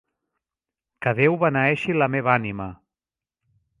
Que Déu beneeixi la meva ànima!